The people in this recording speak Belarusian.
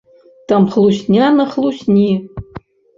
Там хлусня на хлусні.